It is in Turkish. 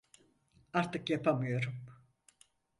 Artık yapamıyorum.